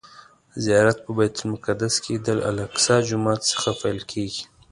زیارت په بیت المقدس کې د الاقصی جومات څخه پیل کیږي.